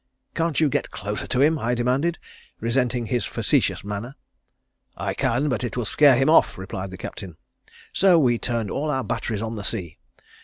'Can't you get closer to him?' I demanded, resenting his facetious manner. 'I can, but it will scare him off,' replied the Captain. So we turned all our batteries on the sea.